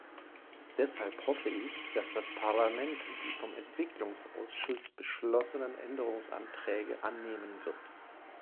Deshalb hoffe ich, dass das Parlament die vom Entwicklungsausschuss beschlossenen Änderungsanträge annehmen wird.